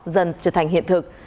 dần trở thành hiện thực